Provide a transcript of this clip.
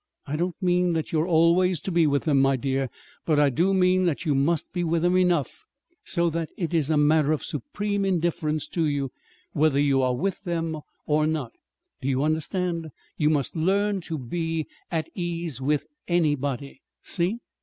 I don't mean that you are always to be with them, my dear; but I do mean that you must be with them enough so that it is a matter of supreme indifference to you whether you are with them or not. Do you understand? You must learn to be at ease with anybody. See?"